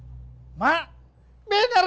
aku mau ke kantor